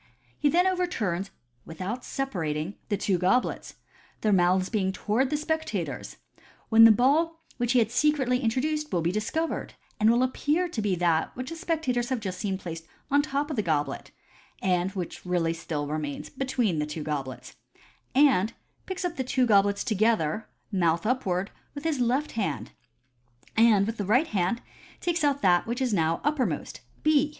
He then overturns (without separating) the two goblets, their mouths being towards the spectators, when the ball which he had secretly introduced will be discovered, and will appear to be that which the spectators have just seen placed on the top MODERN MAGIC. 285 of the goblet (and which really still remains between the two goblets), and picks up the two goblets together, mouth upwards, with the left hand, and with the right hand takes out that which is now upper most (B).